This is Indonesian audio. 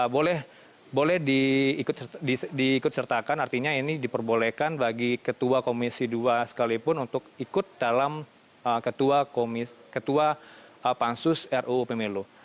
boleh diikut sertakan artinya ini diperbolehkan bagi ketua komisi dua sekalipun untuk ikut dalam ketua pansus ruu pemilu